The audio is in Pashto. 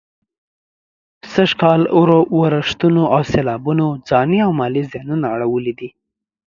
سږ کال ورښتونو او سېلابونو ځاني او مالي زيانونه اړولي دي.